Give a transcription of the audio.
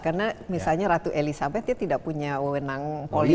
karena misalnya ratu elizabeth dia tidak punya wewenang politik